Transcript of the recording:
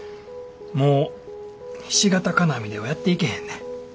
もうひし形金網ではやっていけへんねん。